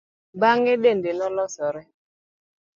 Bang'e dende nolosore.